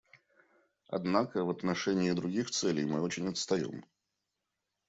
Однако в отношении других целей мы очень отстаем.